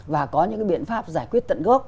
và có những biện pháp giải quyết tận gốc